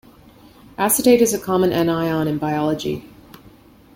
Acetate is a common anion in biology.